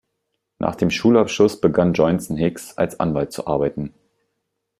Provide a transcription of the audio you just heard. Nach dem Schulabschluss begann Joynson-Hicks, als Anwalt zu arbeiten.